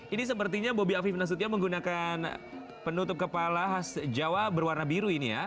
ini sepertinya bobi afif nasution menggunakan penutup kepala khas jawa berwarna biru ini ya